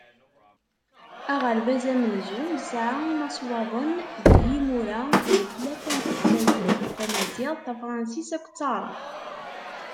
Aɣerbaz amenzu yesɛa imaswaḍen d yimura n tlata n tutlayin-a: Tamaziɣt, Tafransist akked Taεrabt.